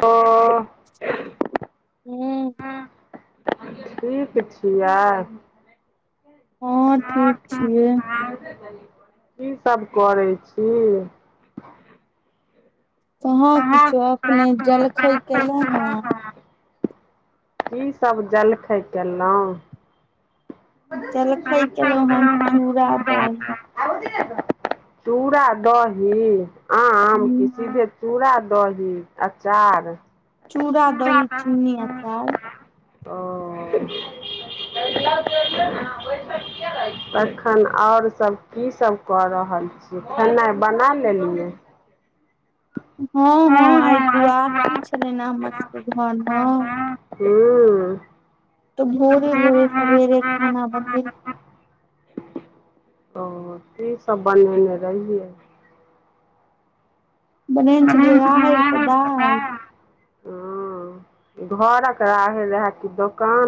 ह हू ठीक छिय ह की सब करै छ कहा किछो अखने जलखै केलो है की सब जलखै केल [unintelligible] चूरा दही आम क सीधे चूड़ा दही अचा चूड़ा दही चीनी आचा तखन ओरसभ कीसभ क रहल छ खेनाइ बना लेलिय हँ हँ आइ दुआदसी छले ने हमर सबके घरमे हू त भोरे भोरे सवेरे खाना बनब ओ की सब बनेने रहिय मनेनस नतबा ह घरक रागे रहए कि दोकान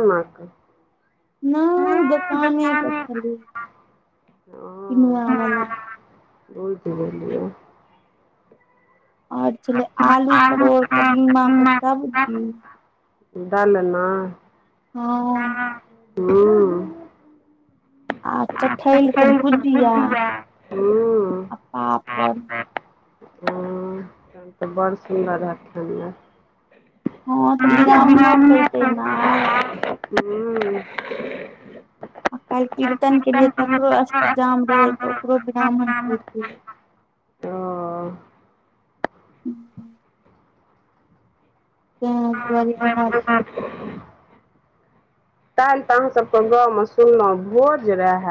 नहि दोकाने के छली किनुआ वल ओहित गेलिय ओर छले आलू परोर कदीमा के सब्ज डालन ह आ चठइल के भुजिया आ पापड त बड़ सुंन्दर हाएत कनिय बिान ह आ काल्हि कीतन के लिए तकरो अष्टजाम रहे तऽ ओकरो ब्राह्मण त दुआर ओह ह काल्हि त अहाँ सबके गाँव में सुनलहुँ भोज रह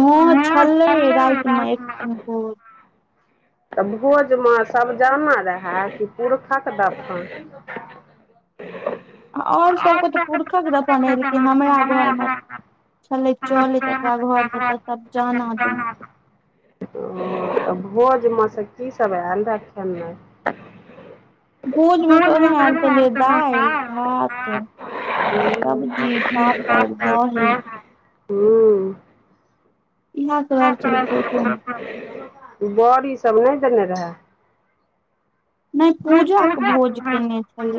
ह छले रात में एक बो त भोज में सभ जाना रहए कि पुरखक दफ ओर सभके त पुरखक ल बनलखिन हमरा घर मे छ लै चलैत ओकरा घर से त सब जाना दल ओ तऽ भोजमे सँ कीसभ आयल रखनिम हाँ हाँ हांँ हांज ह ह बड़ी सभ नहि देने रह ने पूजा के भोज केने छल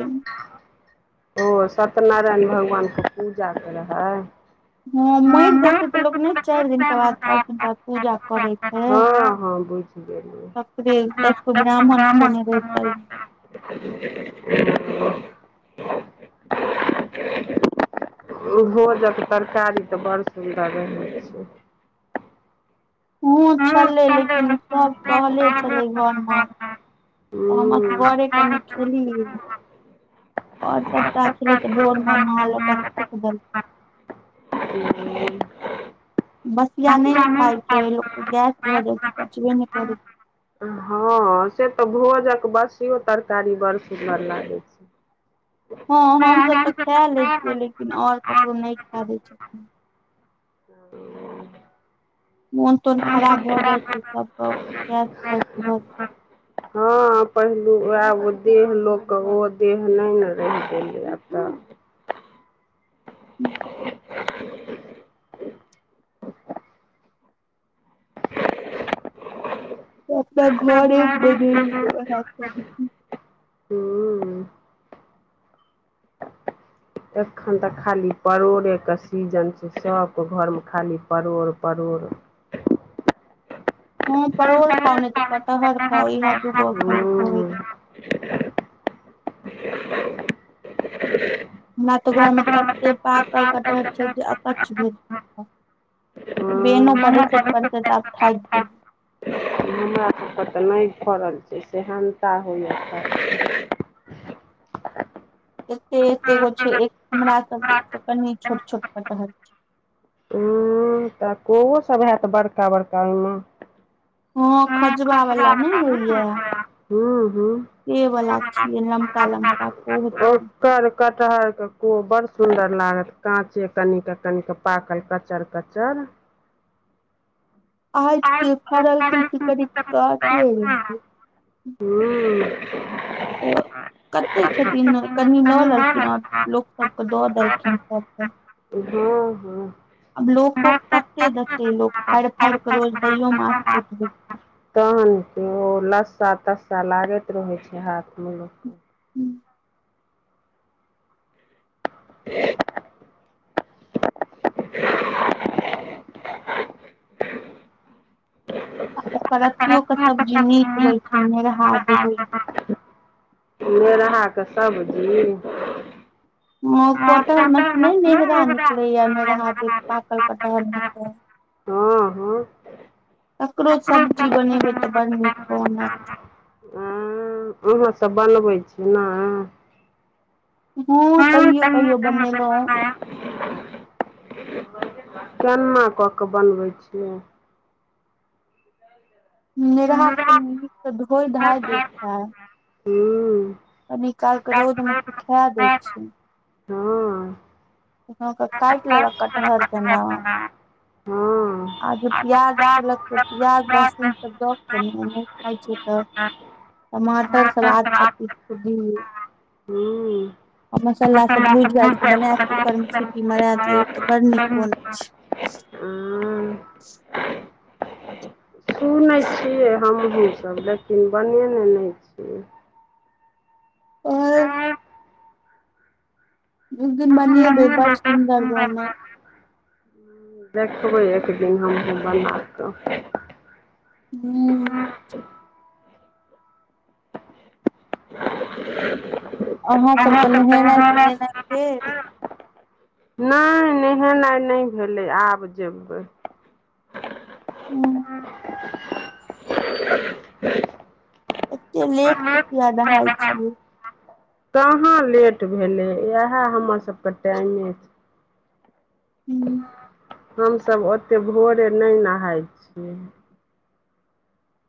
ओ सत्यनारायण भगवान के पूजा करै ह हँ मरि जाइ छै त लोक ने चारि दिन के बाद पास दिनका पूजा करै छै हँ हँ बु ज से दसगो ब्राह्मणसँ नह [inaudible] भोजक तरकारी तऽ बड़ सुन्दर रहय छ हूँ छलै लेकिन सब सहले छलै घर म तऽ हमर घरे कनि खेल और सबटा खेलय भोर मे हू बसिया नहि ने खााय छै लोक गैस भ जाय छै बचबे ने कर हँ से त भोजक बसियो तरकारी बड़ सुन्दर लागै छ हँ हमसभ त खा लै छियै लेकिन ओर ककरो नहि खा दै छिय ह मोन तोन खराब भए जाय छै सबके गैस हँ पहिलू उए देह लोकके ओ देह नहि ने रहि गेलै आब त [inaudible] अपना घर पे बनेलखि एखन त खाली परोड़े के सीजन छै सभके घरमे खाली परोड़ परोड हँ परोड़ खाउ ने त कटहर खाउ इह दूगो अखेन हो हमरा तऽ घर में तते पाकल कटहर छै ज क भी बेनो पड़ते पड़त आब थाक गेलय हमर तऽ नहि फड़ल छै सेहानता होइ एते एते गो छै हमरा सब कनि छोट छोट कटहल छ ह त कोओ सब हायत बड़का बड़का ओहिम ह [unintelligible] ह से वला छियै लमका लमक कटहर के को बड़ सुंदर लागत काचे कन के कन के पा कल कच्चर कच्च आ कि फारल कि ने वन हक की कछ हू तऽ कते खेथिन कनि लऽ लेलखिन आर लो सबके द देलखिन सबक हँ ह अब लोको को कते देते लोक फाड़ फाड़ क रोज दैयो मत तन क ओ लस्सा तस्सा लागैत रहे छै हाथ मे लो हूवर ह [inaudible] आ ओकर अथियो के सब्जी नीक होइ छै नेरहाद होइ छ में रहा के सब्ज ओ कटहर मे से नहि नेहरा निकले या नेहरा दे पाकल कटहर मे स हँ ह ककरो सब्जी बनेबै त बड नीक बन अहाँ सब बनबै छी न हँ कहियो कहियो बनेलहु केना कऽ क बनबै छिय नेरहा क नीक सँ धोल धा दय छ हू कनी काल के रोद में सिखा दय छ ह काट‌ लेलक कटहर जेन आ जे प्याज खेलक तऽ प्याज लहसुन सब दक ने नहि खाइ छै त टमाटर सलाद सबछ द केला के भूज भाज के बना क कूकर मे सीटी मरा दियो त बड नीक बनै छ आ [inaudible] [unintelligible] हमहुँ सब लेकिन बनेने नहि छियै आओर एक दिन बनेबै बड सुन्दर बनत देखबै एक दिन हमहू बनाक हू अहाँ सबके नेहेनाय सोनेनाय भेल नाय नहि नेहेनाय नहि भेलै आब जेबै हूँ [unintelligible] एते लेट क किया नहाय छियै कहाँ लेट भेलै इएह हमर सबके टाइमे छै हूँ हम सब ओते भोरे नहि नहाय छियै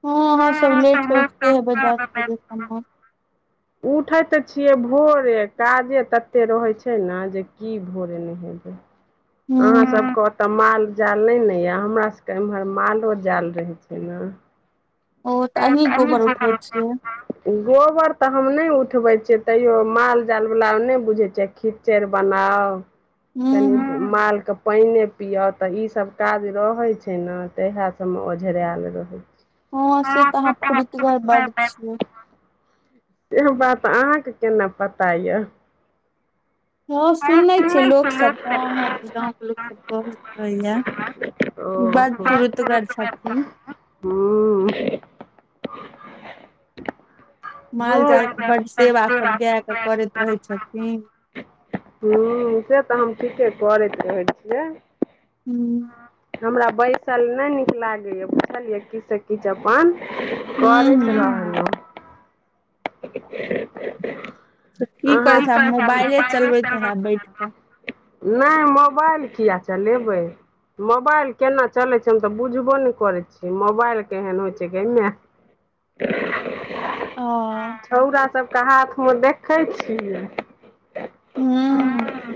हँ हँ सब लेट स उठिते हेबै दश बजे समय उठै त छियै भोरे काजे तते रहै छै न जे की भोरे नेहेबै [unintelligible] अहाँ सबके ओतऽ माल जाल नहि ने य हमरा सबके इमहर मालो जाल रहै छै न [unintelligible] गोबर तऽ हम नहि उठबै छियै तैयो माल जाल बला नहि बुझैत छियै खि चड़ि बनाउ कनि मालके पानि दिअ तऽ ईसभ काज रहै छै न तऽ इहे सबमे ओझराल रहै छै हँ से तऽ अहाँ फुरीतगर बड छियै इहो बात अहाँके केना पता यऽ हँं सुनै छियै लोक सबके अहाँके गांव के लोक सब कहैत रहैया बड फुरितगरछथिन हूँ माल जालके बड सेवा सब गायके करैत रहै छथिन ह से तऽ हम ठीके करैत रहै छियै हूँ हमरा बैसल नहि नीक लागैए बुझलियै किछसँ किछ अपन करेत रहलौ [unintelligible] तऽ की करैत छै आब मोबाइले चलबैत रहे आब बैठ कऽ नहि मोबाइल किया चलेबै मोबाइल केना चलै छै हम तऽ बुझबो नहि करै छियै मोबाइल केहन होय छै गै मेए [unintelligible] ओ छौड़ा सबके हाथमे देखै छियै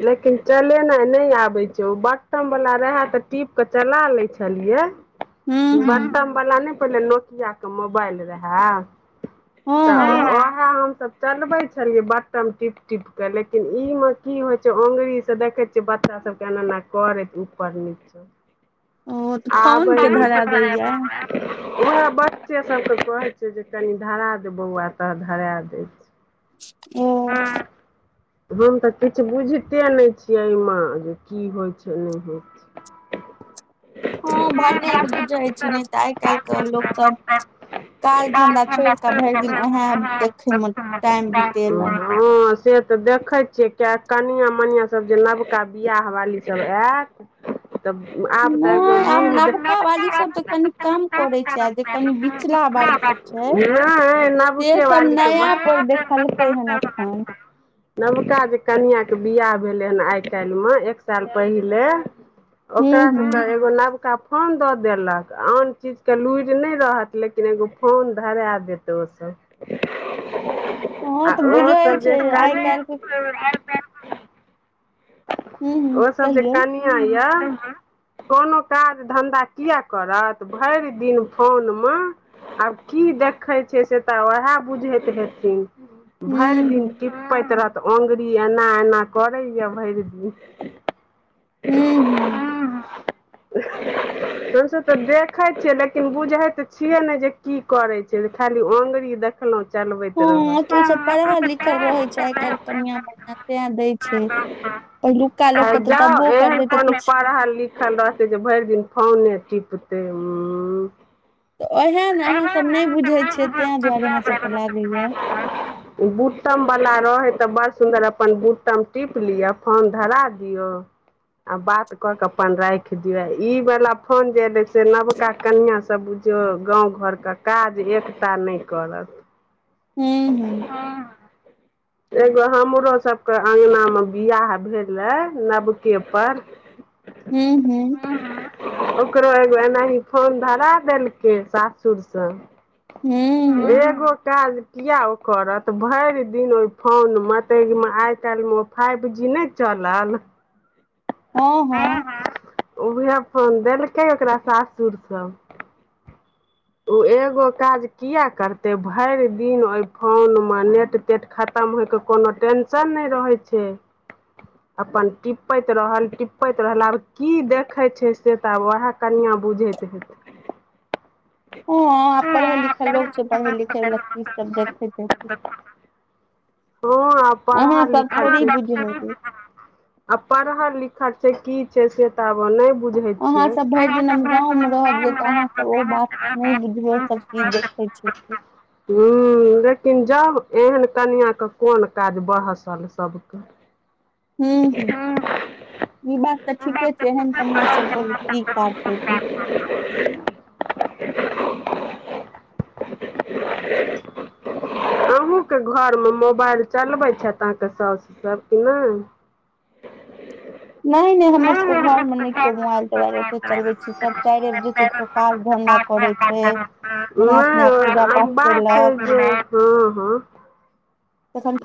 लेकिन चलेनाय नहि आबे छै ओ बटम वाला रहे तऽ टीप के चला लै छलियै बटम बाला नहि पहिले नोकिया के मोबाइल रहए ह वएह हमसभ चलबै छलियै बटम टीप टीप के लेकिन ई मे की होय छै ंअगुरी से देखै बच्चा सब के एना एना करैत उपर निचे आ बढ़ उएह बच्चे सबके कहै छि जे कनि धरा बौआ त धराए दैछै ओ हम तऽ किछु बुझिते नहि छियै एहिमे जे की होय छै नहि होय छै हँ भाने बुझै छी नहि तऽ आइ काल्हिके लोकस काज धंधा छोड़ कऽ भरि दिन उएहे देखे मे टाइम बितेल हँ से तऽ देखे छियै क कनिया मनििया सब जे नबका बिियाह वाली सब आय त आब त आब नबका बाली सब तऽ कनि कम करे छै आ जे कनि बिचला बाली सब छ सेसभ नया पर देखलकै हेँ एख नबका जे कनिआ के बियाह भेले हन आइ काल्हि मे एक साल पहिल ओकरा सब एगो नबक फोन दऽ देलक आन चीज के लुरि नहि रहत लेकिन एगो फोन धर ओ सब आ ओ सब ज ओसभ जे कनिआ य कोनो काज धन्धा किए करत भरि दिन फोनम आब की देखैत छै से तऽ उएह बुझैत हेथि भरि दिन टिपैत रहत अ्गुर एना एना करैए भरि दि हू ह हमसभ तऽ देखैत छियै लेकिन बुझैत तऽ छियै ने जे की करै छैै खाली आगुरी दे कखनोहु चलबैत र रहे छै आइ काल्हि कनिया बनििया तें दय छ जाउ एहन कोनो परहल लि खल रहतै जे भरि दिन फोने टिपतै ए बूटम वाला रहे तऽ बड़ सुंन्दर अपन बूटम टी चप लिअ फोन धरा दिय आ बात क के अपन राख दियऔ इ वाला फोन जे एले से नवका कनिया से बु जे गाँव घरके काज एकता नहि कर हू ह एगो हमरो सबके अंगना म बिवह भेल हे नवके प हूँ ह ओकरो एगो एनाह फोन धरा देलकै सासुरस एगो का किए ओ करत भरि दिन ओहि फोनमे ताहिमे आइ काल्हिम फाइव जी नहि चल ह ह उएह फोन देलकै ओकरा सासुर स ओ एगो काज किए करतै भरि दिन ओहि फोनमे ने पेट खतम होइके कोनो टेंशन नहि रहै छै अपन टिपैत रहल टिपैत रहल आब की देखे छै से तऽ आब वएह कन्य बुझैत हेै हँ आ पढ़ल लिखल लोक छै पढ़ै लिखै व ची सब देखैत ह आब परहल लिख आ पढ़ल लिखल छै की छै से त आब ने अहाँसभ भरि जेनाम गाँवमे रहलियै तऽ अहाँसभ ओ बात नहि बुझबियैस की देखै छ ह लेकिन जब एहन कनिया कोन काज बहसल सबके हू ह ई बात तऽ ठीके छै एहन कनििया सब कर की काज होेत [unintelligible] अहँके घरम बढ़ चलबै छथि अहके सास सब कि नह नहि नहि हमर सबके घरमे नहि केओ मोबाइल तोबाइल ओते चलबे छै सभ चारएज काज ध कर छै ह ह हँ पसं